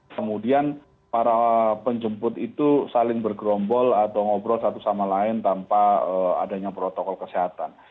kemudian para penjemput itu saling bergerombol atau ngobrol satu sama lain tanpa adanya protokol kesehatan